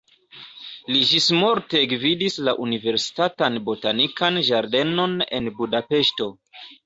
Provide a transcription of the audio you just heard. Li ĝismorte gvidis la universitatan botanikan ĝardenon en Budapeŝto.